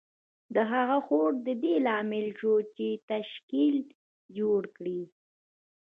د هغه هوډ د دې لامل شو چې تشکیل جوړ کړي